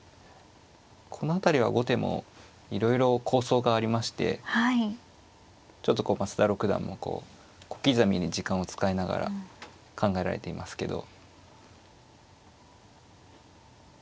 この辺りは後手もいろいろ構想がありましてちょっと増田六段もこう小刻みに時間を使いながら考えられていますけど。